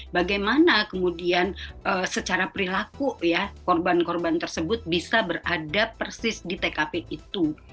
bagaimana kemudian secara perilaku ya korban korban tersebut bisa berada persis di tkp itu